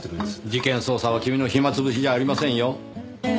事件捜査は君の暇潰しじゃありませんよ。